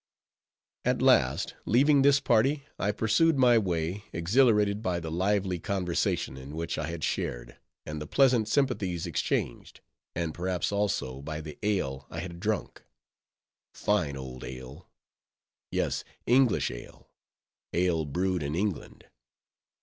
At last, leaving this party, I pursued my way, exhilarated by the lively conversation in which I had shared, and the pleasant sympathies exchanged: and perhaps, also, by the ale I had drunk:—fine old ale; yes, English ale, ale brewed in England!